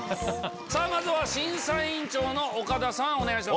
まずは審査委員長の岡田さんお願いします。